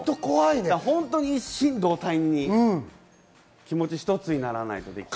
本当に一心同体に、気持ち一つにならないとできない。